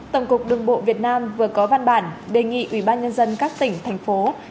tổng cục đường bộ việt nam vừa có văn bản đề nghị ubnd các tỉnh thành phố